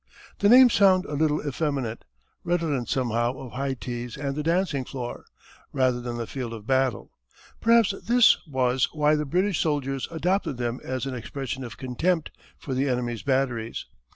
The names sound a little effeminate, redolent somehow of high teas and the dancing floor, rather than the field of battle. Perhaps this was why the British soldiers adopted them as an expression of contempt for the enemy's batteries.